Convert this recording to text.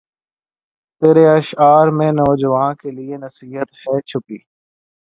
تیرے اشعار میں نوجواں کے لیے نصیحت ھے چھپی